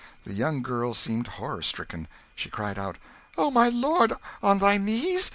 The young girl seemed horror stricken. She cried out "O my lord, on thy knees?